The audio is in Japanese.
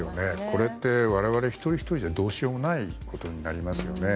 これって我々一人ひとりでどうしようもないことになりますよね。